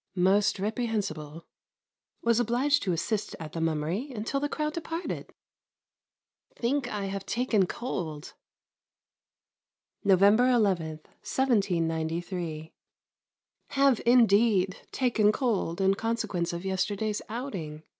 Most reprehensible. Was obliged to assist at the mummery until the crowd departed. Think I have taken cold. November 11, 1793. Have indeed taken cold in consequence of yesterday's outing.